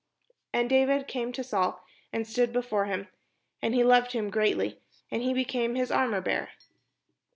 And David came to Saul, and stood before him : and he loved him greatly; and he became his armourbearer.